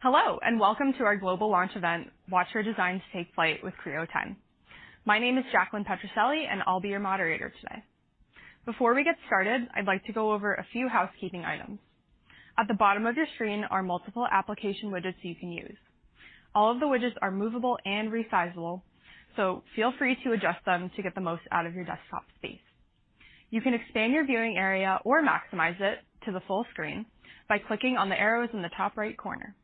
Hello, and welcome to our global launch event, Watch Your Designs Take Flight with Creo 10. My name is Jacqueline Petroselli, and I'll be your moderator today. Before we get started, I'd like to go over a few housekeeping items. At the bottom of your screen are multiple application widgets you can use. All of the widgets are movable and resizable, so feel free to adjust them to get the most out of your desktop space. You can expand your viewing area or maximize it to the full screen by clicking on the arrows in the top right corner.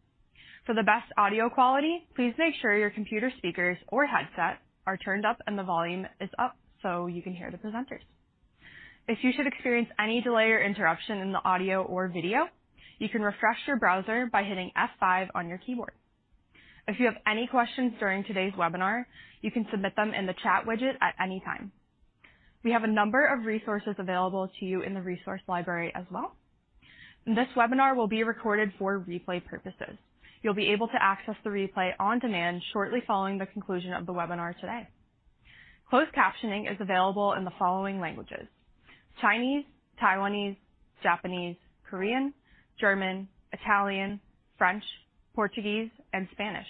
For the best audio quality, please make sure your computer speakers or headset are turned up and the volume is up so you can hear the presenters. If you should experience any delay or interruption in the audio or video, you can refresh your browser by hitting F5 on your keyboard. If you have any questions during today's webinar, you can submit them in the chat widget at any time. We have a number of resources available to you in the resource library as well. This webinar will be recorded for replay purposes. You'll be able to access the replay on demand shortly following the conclusion of the webinar today. Closed captioning is available in the following languages: Chinese, Taiwanese, Japanese, Korean, German, Italian, French, Portuguese, and Spanish.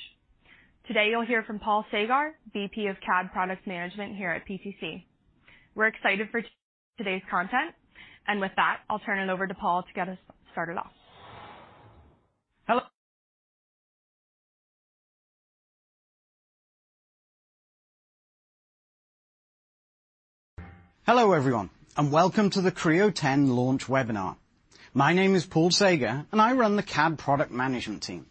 Today you'll hear from Paul Sagar, VP of CAD Product Management here at PTC. We're excited for today's content, and with that, I'll turn it over to Paul to get us started off. Hello, everyone, and welcome to the Creo 10 launch webinar. My name is Paul Sagar, and I run the CAD Product Management team.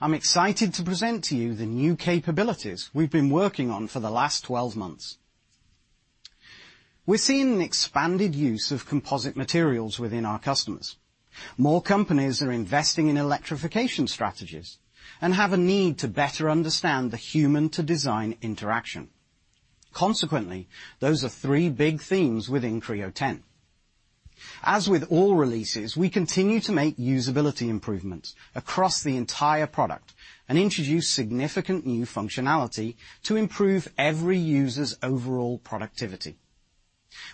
I'm excited to present to you the new capabilities we've been working on for the last 12 months. We're seeing an expanded use of composite materials within our customers. More companies are investing in electrification strategies and have a need to better understand the human-to-design interaction. Consequently, those are three big themes within Creo 10. As with all releases, we continue to make usability improvements across the entire product and introduce significant new functionality to improve every user's overall productivity.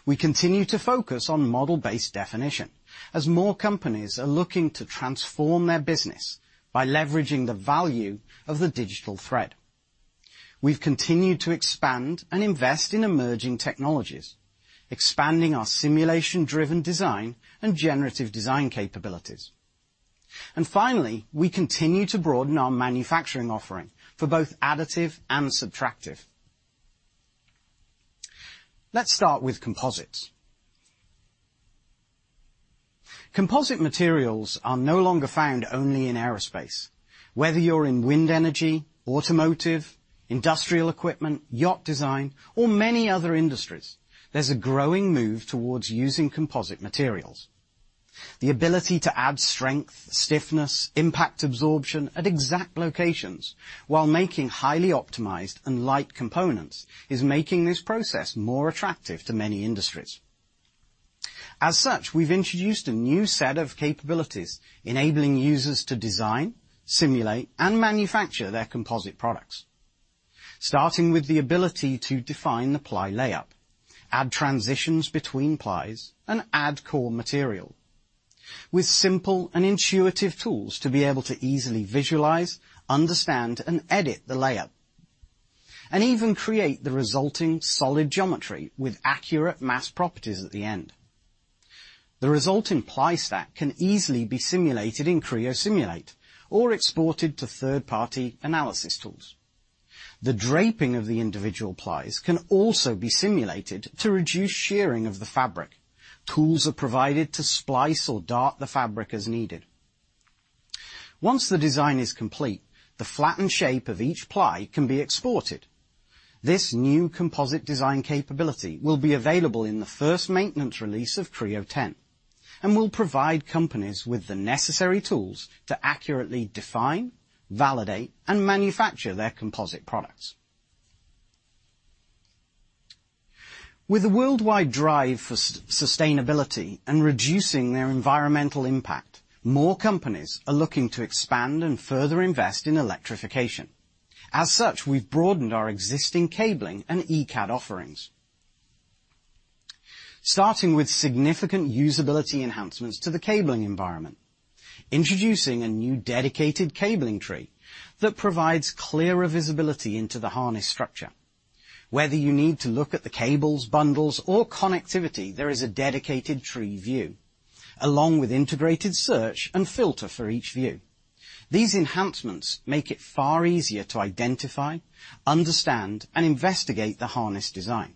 We continue to focus on model-based definition as more companies are looking to transform their business by leveraging the value of the digital thread. We've continued to expand and invest in emerging technologies, expanding our simulation-driven design and generative design capabilities. Finally, we continue to broaden our manufacturing offering for both additive and subtractive. Let's start with composites. Composite materials are no longer found only in aerospace. Whether you're in wind energy, automotive, industrial equipment, yacht design, or many other industries, there's a growing move towards using composite materials. The ability to add strength, stiffness, impact absorption at exact locations while making highly optimized and light components is making this process more attractive to many industries. As such, we've introduced a new set of capabilities enabling users to design, simulate, and manufacture their composite products, starting with the ability to define the ply layup, add transitions between plies, and add core material, with simple and intuitive tools to be able to easily visualize, understand, and edit the layup, and even create the resulting solid geometry with accurate mass properties at the end. The resulting ply stack can easily be simulated in Creo Simulate or exported to third-party analysis tools. The draping of the individual plies can also be simulated to reduce shearing of the fabric. Tools are provided to splice or dart the fabric as needed. Once the design is complete, the flattened shape of each ply can be exported. This new composite design capability will be available in the first maintenance release of Creo 10 and will provide companies with the necessary tools to accurately define, validate, and manufacture their composite products. With a worldwide drive for sustainability and reducing their environmental impact, more companies are looking to expand and further invest in electrification. As such, we've broadened our existing cabling and ECAD offerings, starting with significant usability enhancements to the cabling environment, introducing a new dedicated cabling tree that provides clearer visibility into the harness structure. Whether you need to look at the cables, bundles, or connectivity, there is a dedicated tree view along with integrated search and filter for each view. These enhancements make it far easier to identify, understand, and investigate the Harness Design.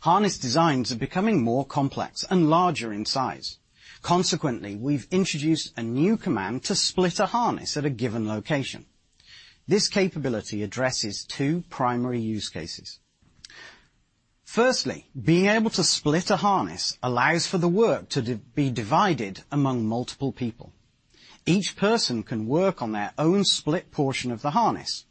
Harness designs are becoming more complex and larger in size. Consequently, we've introduced a new command to split a harness at a given location. This capability addresses two primary use cases. Firstly, being able to split a Harness allows for the work to be divided among multiple people. Each person can work on their own split portion of the harness.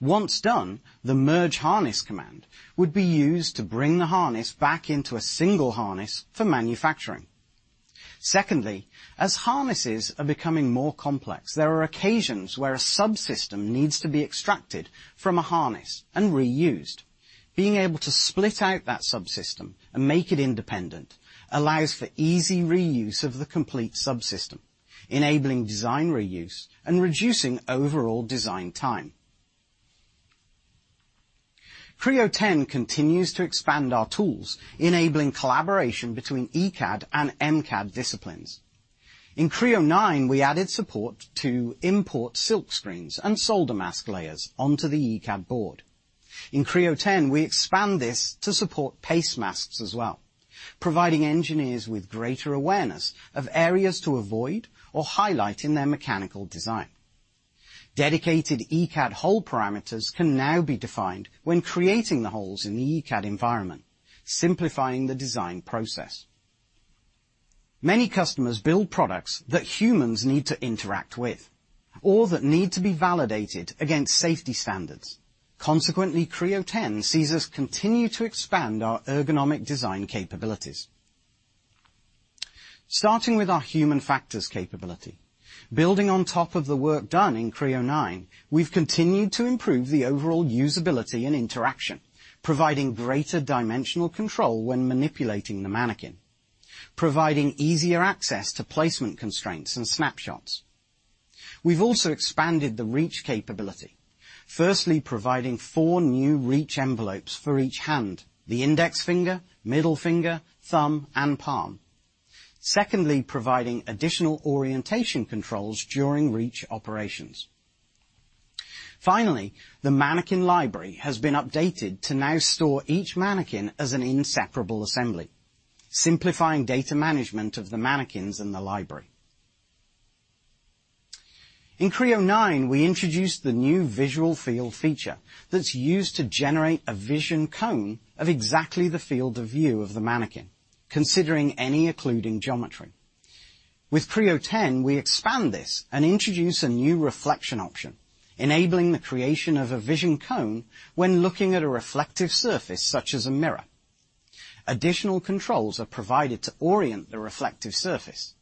Once done, the merge harness command would be used to bring the harness back into a single harness for manufacturing. Secondly, as harnesses are becoming more complex, there are occasions where a subsystem needs to be extracted from a harness and reused. Being able to split out that subsystem and make it independent allows for easy reuse of the complete subsystem, enabling design reuse and reducing overall design time. Creo 10 continues to expand our tools, enabling collaboration between ECAD and MCAD disciplines. In Creo 9, we added support to import silk screens and solder mask layers onto the ECAD board. In Creo 10, we expand this to support paste masks as well, providing engineers with greater awareness of areas to avoid or highlight in their mechanical design. Dedicated ECAD hole parameters can now be defined when creating the holes in the ECAD environment, simplifying the design process. Many customers build products that humans need to interact with or that need to be validated against safety standards. Consequently, Creo 10 sees us continue to expand our ergonomic design capabilities, starting with our human factors capability. Building on top of the work done in Creo 9, we've continued to improve the overall usability and interaction, providing greater dimensional control when manipulating the mannequin, providing easier access to placement constraints and snapshots. We've also expanded the reach capability, firstly providing four new reach envelopes for each hand: the index finger, middle finger, thumb, and palm. Secondly, providing additional orientation controls during reach operations. Finally, the mannequin library has been updated to now store each mannequin as an inseparable assembly, simplifying data management of the mannequins in the library. In Creo 9, we introduced the new visual field feature that's used to generate a vision cone of exactly the field of view of the mannequin, considering any occluding geometry. With Creo 10, we expand this and introduce a new reflection option, enabling the creation of a vision cone when looking at a reflective surface such as a mirror. Additional controls are provided to orient the reflective surface.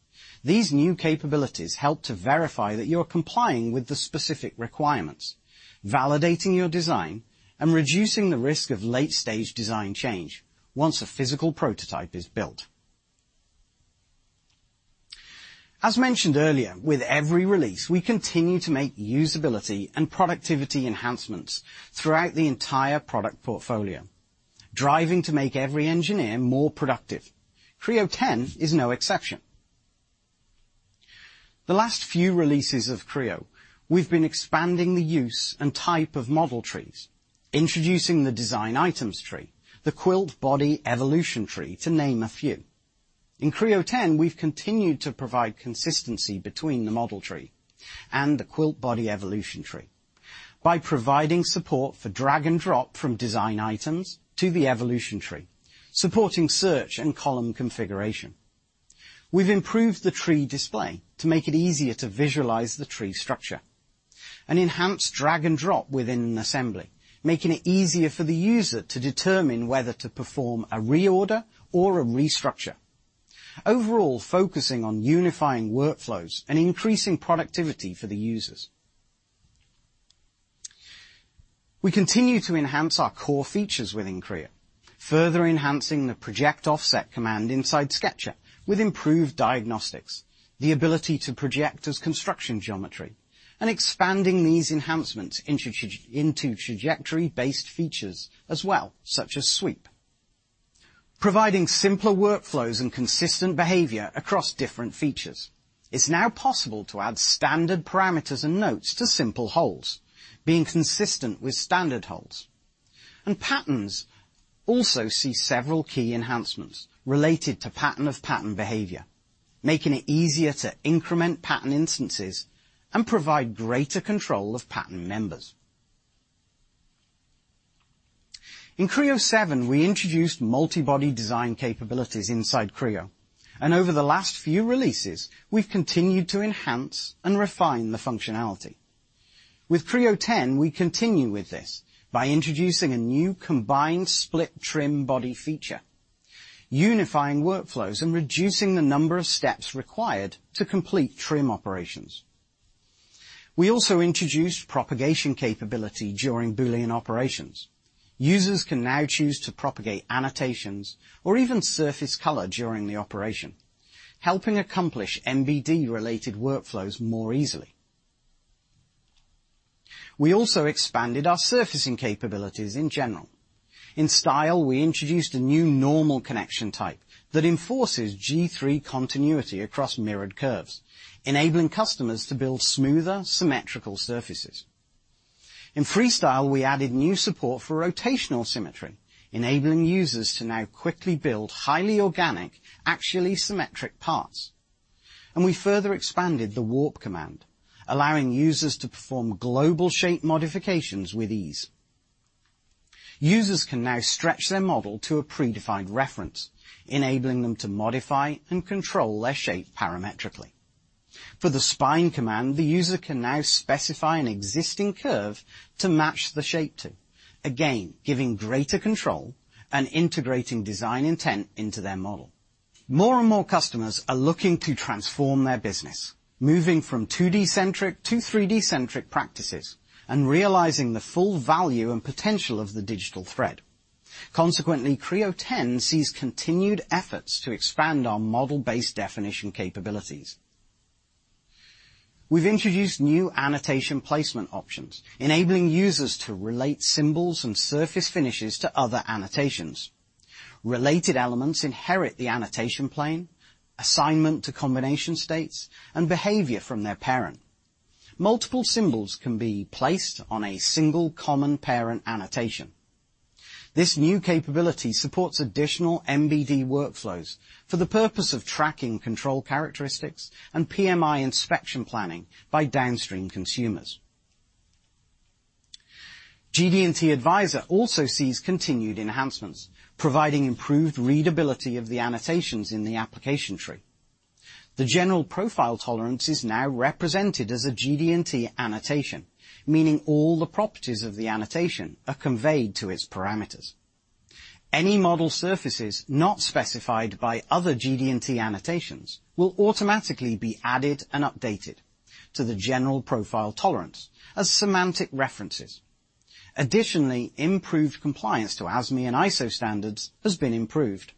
These new capabilities help to verify that you're complying with the specific requirements, validating your design, and reducing the risk of late-stage design change once a physical prototype is built. As mentioned earlier, with every release, we continue to make usability and productivity enhancements throughout the entire product portfolio, driving to make every engineer more productive. Creo 10 is no exception. The last few releases of Creo, we've been expanding the use and type of model trees, introducing the design items tree, the quilt body evolution tree, to name a few. In Creo 10, we've continued to provide consistency between the model tree and the quilt body evolution tree by providing support for drag and drop from design items to the evolution tree, supporting search and column configuration. We've improved the tree display to make it easier to visualize the tree structure and enhanced drag and drop within an assembly, making it easier for the user to determine whether to perform a reorder or a restructure, overall focusing on unifying workflows and increasing productivity for the users. We continue to enhance our core features within Creo, further enhancing the project offset command inside Sketcher with improved diagnostics, the ability to project as construction geometry, and expanding these enhancements into trajectory-based features as well, such as sweep, providing simpler workflows and consistent behavior across different features. It's now possible to add standard parameters and notes to simple holes, being consistent with standard holes. Patterns also see several key enhancements related to pattern-of-pattern behavior, making it easier to increment pattern instances and provide greater control of pattern members. In Creo 7, we introduced multi-body design capabilities inside Creo, and over the last few releases, we've continued to enhance and refine the functionality. With Creo 10, we continue with this by introducing a new combined split trim body feature, unifying workflows and reducing the number of steps required to complete trim operations. We also introduced propagation capability during Boolean operations. Users can now choose to propagate annotations or even surface color during the operation, helping accomplish MBD-related workflows more easily. We also expanded our surfacing capabilities in general. In style, we introduced a new normal connection type that enforces G3 continuity across mirrored curves, enabling customers to build smoother, symmetrical surfaces. In freestyle, we added new support for rotational symmetry, enabling users to now quickly build highly organic, axially symmetric parts. We further expanded the warp command, allowing users to perform global shape modifications with ease. Users can now stretch their model to a predefined reference, enabling them to modify and control their shape parametrically. For the spine command, the user can now specify an existing curve to match the shape to, again, giving greater control and integrating design intent into their model. More and more customers are looking to transform their business, moving from 2D-centric to 3D-centric practices and realizing the full value and potential of the digital thread. Consequently, Creo 10 sees continued efforts to expand our model-based definition capabilities. We've introduced new annotation placement options, enabling users to relate symbols and surface finishes to other annotations. Related elements inherit the annotation plane, assignment to combination states, and behavior from their parent. Multiple symbols can be placed on a single common parent annotation. This new capability supports additional MBD workflows for the purpose of tracking control characteristics and PMI inspection planning by downstream consumers. GD&T Advisor also sees continued enhancements, providing improved readability of the annotations in the application tree. The general profile tolerance is now represented as a GD&T annotation, meaning all the properties of the annotation are conveyed to its parameters. Any model surfaces not specified by other GD&T annotations will automatically be added and updated to the general profile tolerance as semantic references. Additionally, improved compliance to ASME and ISO standards has been improved.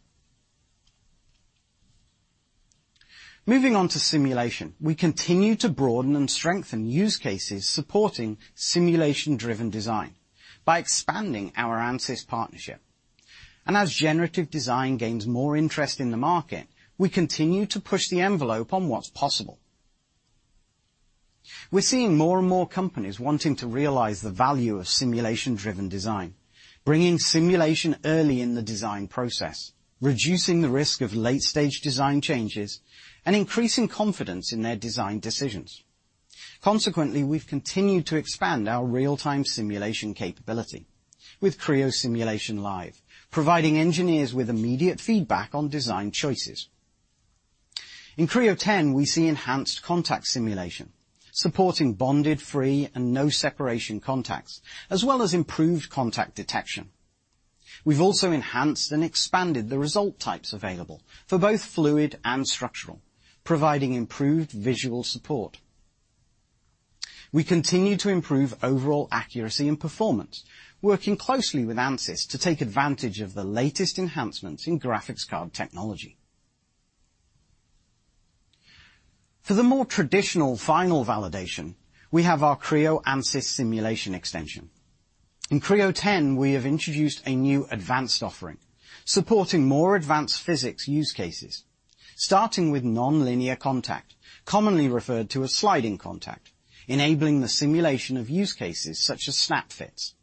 Moving on to simulation, we continue to broaden and strengthen use cases supporting simulation-driven design by expanding our Ansys partnership. As generative design gains more interest in the market, we continue to push the envelope on what's possible. We're seeing more and more companies wanting to realize the value of simulation-driven design, bringing simulation early in the design process, reducing the risk of late-stage design changes, and increasing confidence in their design decisions. Consequently, we've continued to expand our real-time simulation capability with Creo Simulation Live, providing engineers with immediate feedback on design choices. In Creo 10, we see enhanced contact simulation, supporting bonded, free, and no-separation contacts, as well as improved contact detection. We've also enhanced and expanded the result types available for both fluid and structural, providing improved visual support. We continue to improve overall accuracy and performance, working closely with Ansys to take advantage of the latest enhancements in graphics card technology. For the more traditional final validation, we have our Creo Ansys Simulation Extension. In Creo 10, we have introduced a new advanced offering supporting more advanced physics use cases, starting with non-linear contact, commonly referred to as sliding contact, enabling the simulation of use cases such as snap fits.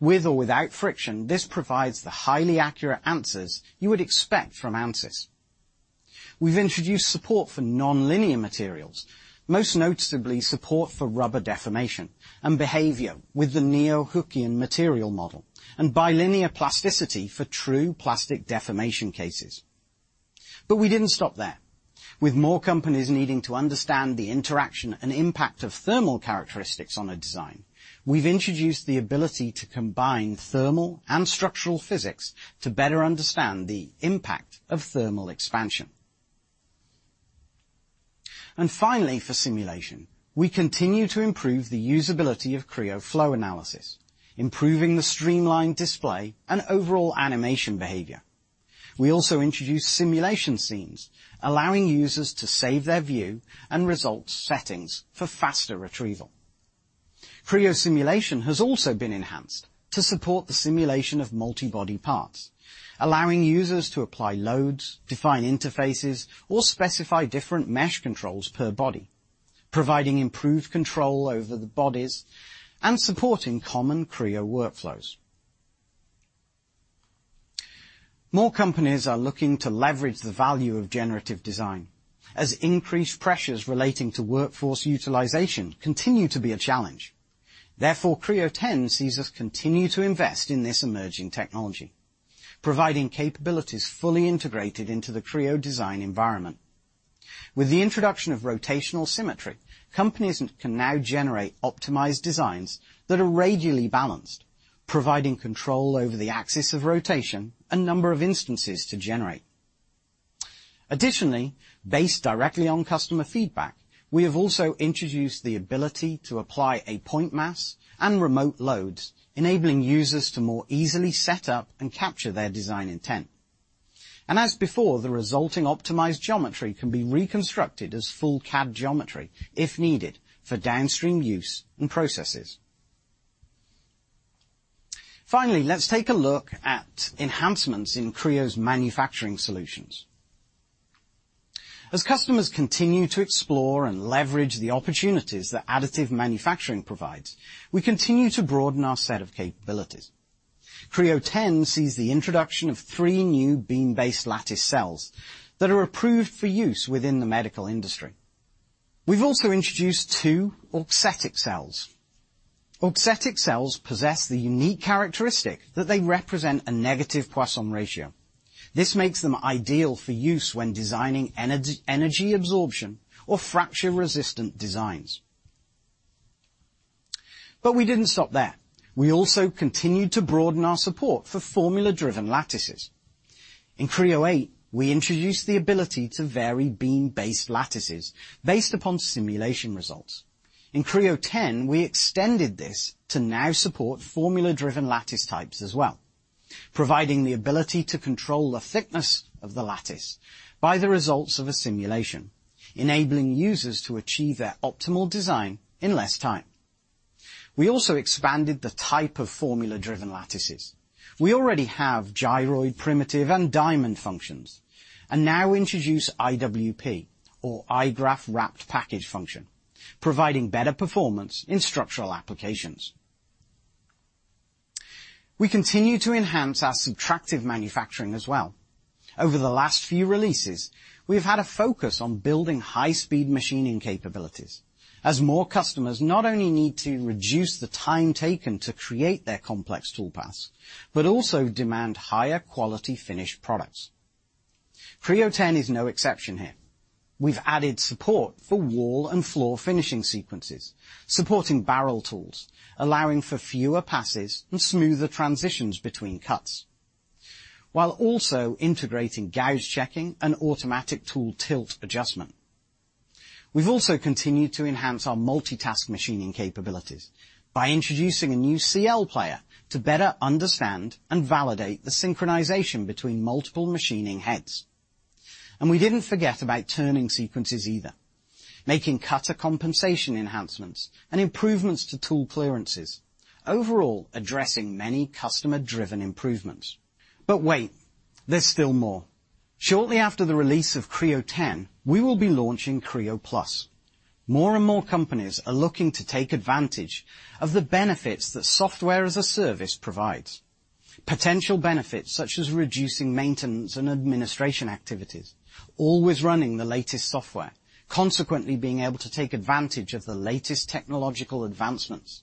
With or without friction, this provides the highly accurate answers you would expect from Ansys. We've introduced support for non-linear materials, most notably support for rubber deformation and behavior with the Neo-Hookean material model, and bilinear plasticity for true plastic deformation cases. We did not stop there. With more companies needing to understand the interaction and impact of thermal characteristics on a design, we've introduced the ability to combine thermal and structural physics to better understand the impact of thermal expansion. Finally, for simulation, we continue to improve the usability of Creo Flow Analysis, improving the streamlined display and overall animation behavior. We also introduced simulation scenes, allowing users to save their view and result settings for faster retrieval. Creo Simulation has also been enhanced to support the simulation of multi-body parts, allowing users to apply loads, define interfaces, or specify different mesh controls per body, providing improved control over the bodies and supporting common Creo workflows. More companies are looking to leverage the value of generative design, as increased pressures relating to workforce utilization continue to be a challenge. Therefore, Creo 10 sees us continue to invest in this emerging technology, providing capabilities fully integrated into the Creo design environment. With the introduction of rotational symmetry, companies can now generate optimized designs that are radially balanced, providing control over the axis of rotation and number of instances to generate. Additionally, based directly on customer feedback, we have also introduced the ability to apply a point mass and remote loads, enabling users to more easily set up and capture their design intent. As before, the resulting optimized geometry can be reconstructed as full CAD geometry if needed for downstream use and processes. Finally, let's take a look at enhancements in Creo's manufacturing solutions. As customers continue to explore and leverage the opportunities that additive manufacturing provides, we continue to broaden our set of capabilities. Creo 10 sees the introduction of three new beam-based lattice cells that are approved for use within the medical industry. We've also introduced two auxetic cells. Auxetic cells possess the unique characteristic that they represent a negative Poisson ratio. This makes them ideal for use when designing energy absorption or fracture-resistant designs. We didn't stop there. We also continued to broaden our support for formula-driven lattices. In Creo 8, we introduced the ability to vary beam-based lattices based upon simulation results. In Creo 10, we extended this to now support formula-driven lattice types as well, providing the ability to control the thickness of the lattice by the results of a simulation, enabling users to achieve their optimal design in less time. We also expanded the type of formula-driven lattices. We already have gyroid, primitive, and diamond functions, and now introduce I-WP, or I- graph wrapped Package function, providing better performance in structural applications. We continue to enhance our subtractive manufacturing as well. Over the last few releases, we have had a focus on building high-speed machining capabilities, as more customers not only need to reduce the time taken to create their complex toolpaths, but also demand higher quality finished products. Creo 10 is no exception here. We've added support for wall and floor finishing sequences, supporting barrel tools, allowing for fewer passes and smoother transitions between cuts, while also integrating gauge checking and automatic tool tilt adjustment. We've also continued to enhance our multitask machining capabilities by introducing a new CL player to better understand and validate the synchronization between multiple machining heads. We did not forget about turning sequences either, making cutter compensation enhancements and improvements to tool clearances, overall addressing many customer-driven improvements. There is still more. Shortly after the release of Creo 10, we will be launching Creo+. More and more companies are looking to take advantage of the benefits that software as a service provides, potential benefits such as reducing maintenance and administration activities, always running the latest software, consequently being able to take advantage of the latest technological advancements,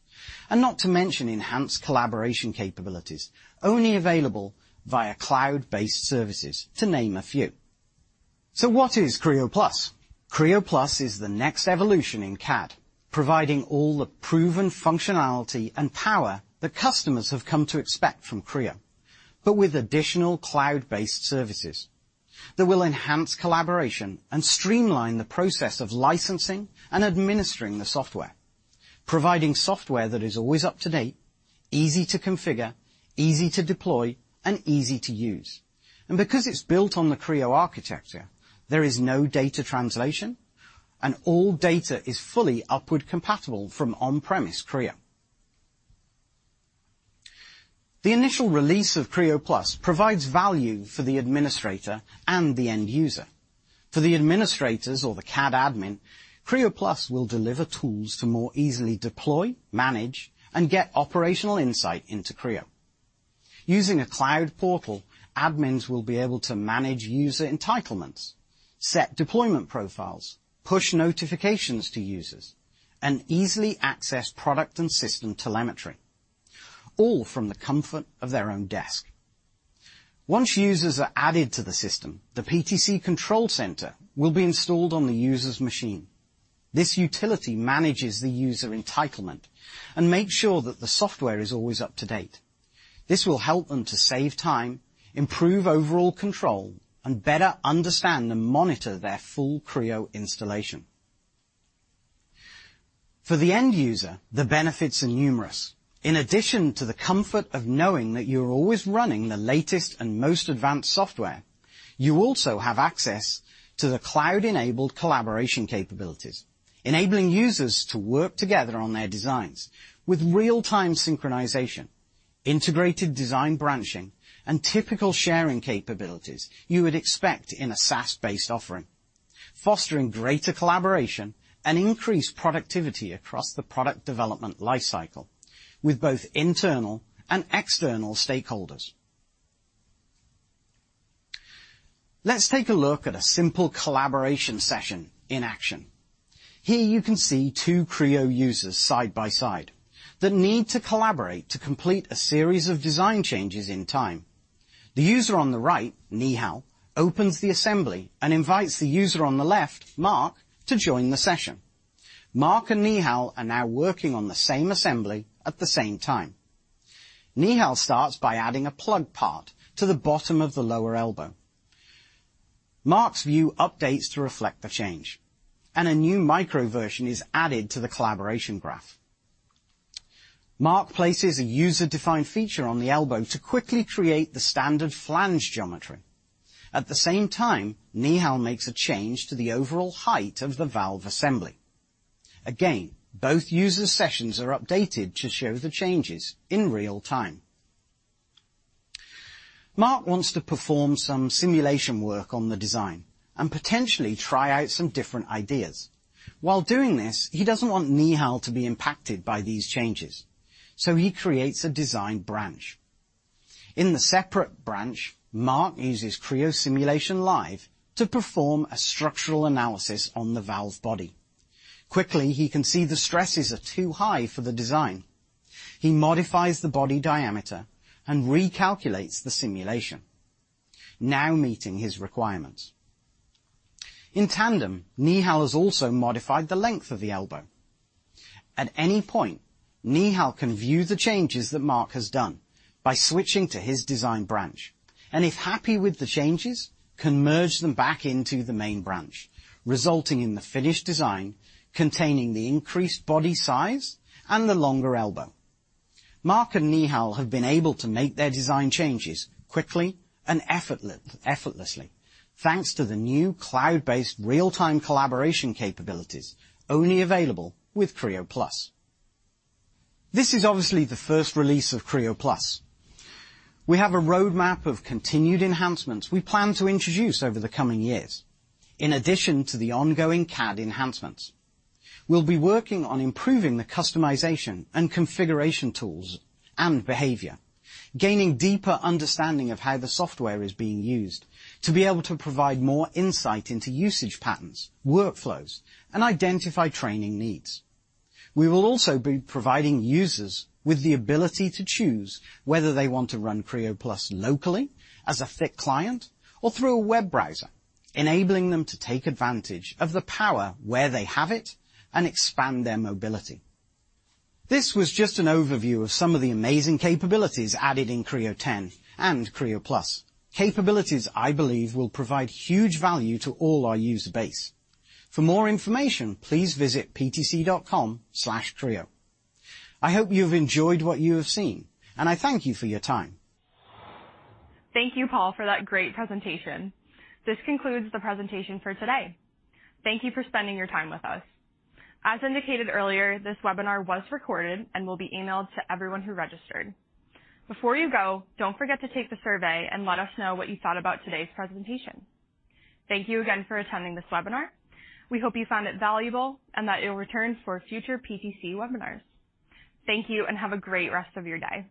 and not to mention enhanced collaboration capabilities only available via cloud-based services, to name a few. What is Creo+? Creo+ is the next evolution in CAD, providing all the proven functionality and power that customers have come to expect from Creo, with additional cloud-based services that will enhance collaboration and streamline the process of licensing and administering the software, providing software that is always up to date, easy to configure, easy to deploy, and easy to use. Because it's built on the Creo architecture, there is no data translation, and all data is fully upward compatible from on-premise Creo. The initial release of Creo+ provides value for the administrator and the end user. For the administrators or the CAD admin, Creo+ will deliver tools to more easily deploy, manage, and get operational insight into Creo. Using a cloud portal, admins will be able to manage user entitlements, set deployment profiles, push notifications to users, and easily access product and system telemetry, all from the comfort of their own desk. Once users are added to the system, the PTC Control Center will be installed on the user's machine. This utility manages the user entitlement and makes sure that the software is always up-to-date. This will help them to save time, improve overall control, and better understand and monitor their full Creo installation. For the end user, the benefits are numerous. In addition to the comfort of knowing that you're always running the latest and most advanced software, you also have access to the cloud-enabled collaboration capabilities, enabling users to work together on their designs with real-time synchronization, integrated design branching, and typical sharing capabilities you would expect in a SaaS-based offering, fostering greater collaboration and increased productivity across the product development lifecycle with both internal and external stakeholders. Let's take a look at a simple collaboration session in action. Here you can see two Creo users side by side that need to collaborate to complete a series of design changes in time. The user on the right, Nihal, opens the assembly and invites the user on the left, Mark, to join the session. Mark and Nihal are now working on the same assembly at the same time. Nihal starts by adding a plug part to the bottom of the lower elbow. Mark's view updates to reflect the change, and a new micro version is added to the collaboration graph. Mark places a user-defined feature on the elbow to quickly create the standard flange geometry. At the same time, Nihal makes a change to the overall height of the valve assembly. Again, both user sessions are updated to show the changes in real time. Mark wants to perform some simulation work on the design and potentially try out some different ideas. While doing this, he doesn't want Nihal to be impacted by these changes, so he creates a design branch. In the separate branch, Mark uses Creo Simulation Live to perform a structural analysis on the valve body. Quickly, he can see the stresses are too high for the design. He modifies the body diameter and recalculates the simulation, now meeting his requirements. In tandem, Nihal has also modified the length of the elbow. At any point, Nihal can view the changes that Mark has done by switching to his design branch, and if happy with the changes, can merge them back into the main branch, resulting in the finished design containing the increased body size and the longer elbow. Mark and Nihal have been able to make their design changes quickly and effortlessly, thanks to the new cloud-based real-time collaboration capabilities only available with Creo+. This is obviously the first release of Creo+. We have a roadmap of continued enhancements we plan to introduce over the coming years, in addition to the ongoing CAD enhancements. We'll be working on improving the customization and configuration tools and behavior, gaining deeper understanding of how the software is being used to be able to provide more insight into usage patterns, workflows, and identify training needs. We will also be providing users with the ability to choose whether they want to run Creo+ locally as a fit client or through a web browser, enabling them to take advantage of the power where they have it and expand their mobility. This was just an overview of some of the amazing capabilities added in Creo 10 and Creo+, capabilities I believe will provide huge value to all our user base. For more information, please visit ptc.com/creo. I hope you've enjoyed what you have seen, and I thank you for your time. Thank you, Paul, for that great presentation. This concludes the presentation for today. Thank you for spending your time with us. As indicated earlier, this webinar was recorded and will be emailed to everyone who registered. Before you go, do not forget to take the survey and let us know what you thought about today's presentation. Thank you again for attending this webinar. We hope you found it valuable and that you will return for future PTC webinars. Thank you and have a great rest of your day.